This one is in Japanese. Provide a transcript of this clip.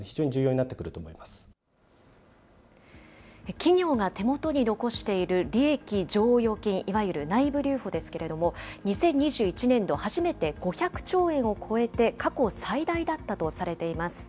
企業が手元に残している利益剰余金、いわゆる内部留保ですけれども、２０２１年度、初めて５００兆円を超えて、過去最大だったとされています。